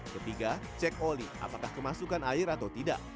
ketiga cek oli apakah kemasukan air atau tidak